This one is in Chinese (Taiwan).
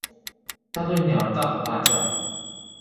他對鳥兒大吼大叫！